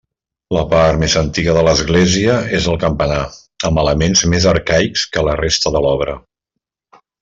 La part més antiga de l'església és el campanar, amb elements més arcaics que la resta de l'obra.